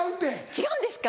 違うんですか？